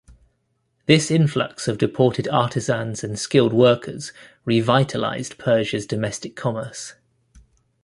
This influx of deported artisans and skilled workers revitalized Persia's domestic commerce.